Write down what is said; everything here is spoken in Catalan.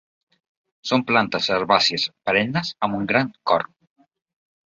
Són plantes herbàcies perennes amb un gran corm.